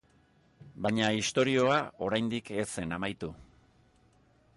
Baina istorioa oraindik ez zen amaitu.